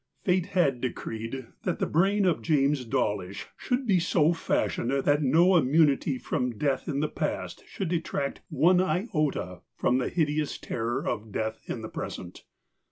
Fate had decreed that the brain of James Dawlish should be so fashioned that no immunity from death in the past should detract one iota from the hideous terror of death in the present.